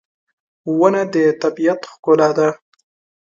• ونه د طبیعت ښکلا ده.